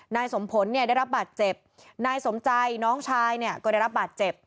นายสมผลเนี่ยได้รับบาดเจ็บนายสมใจน้องชายเนี่ยก็ได้รับบาดเจ็บ